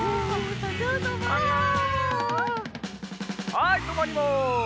はいとまります。